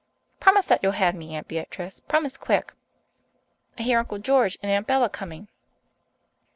Promise that you'll have me, Aunt Beatrice, promise quick. I hear Uncle George and Aunt Bella coming."